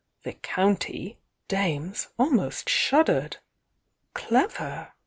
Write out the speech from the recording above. ^^k "°*' ""^o "county" dames almost shuddered Clever?